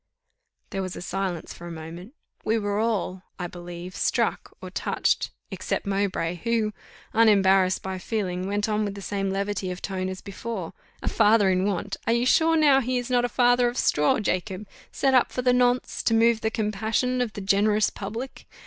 There was a silence for the moment: we were all, I believe, struck, or touched, except Mowbray, who, unembarrassed by feeling, went on with the same levity of tone as before: "A father in want! Are you sure now he is not a father of straw, Jacob, set up for the nonce, to move the compassion of the generous public?